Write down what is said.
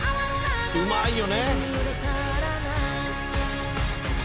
うまいよね」